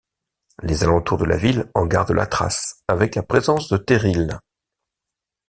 Les alentours de la ville en gardent la trace, avec la présence de terrils.